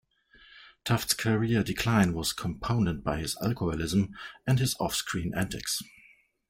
Tuft's career decline was compounded by his alcoholism and his off-screen antics.